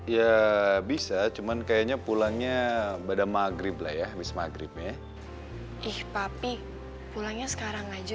ya bisa cuman kayaknya pulangnya pada maghrib lah ya wismaghribnya ih papi pulangnya sekarang aja